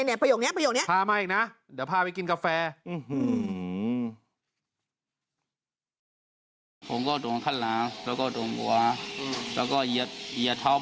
นี่นี่นี่ประโยคนี้ประโยคนี้พามานี่เนี่ยพามาอีกนะเดี๋ยวพาไปกินกาแฟ